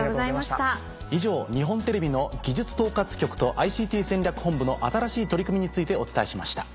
以上日本テレビの技術統括局とＩＣＴ戦略本部の新しい取り組みについてお伝えしました。